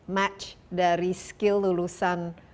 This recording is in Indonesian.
match dari skill lulusan